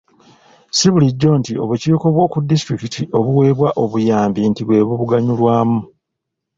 Ssi bulijjo nti obukiiko bw'oku disitulikiti obuweebwa obuyambi nti bwe bubuganyulwamu.